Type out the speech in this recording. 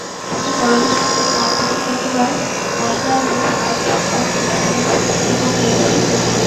তিনি পরবর্তীতে Conservatoire National des Arts et মেটিয়ার্স-এর অধ্যাপক নির্বাচিত হন।